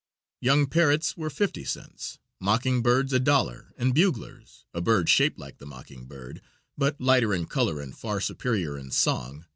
Young parrots were fifty cents, mocking birds $1, and buglers, a bird shaped like the mocking bird, but lighter in color and far superior in song, $2.